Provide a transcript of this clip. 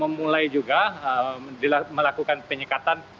memulai juga melakukan penyekatan